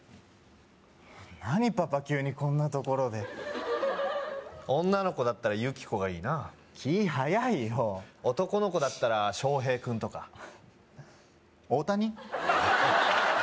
何パパ急にこんなところで女の子だったらユキコがいいな気早いよ男の子だったらショウヘイ君とか大谷？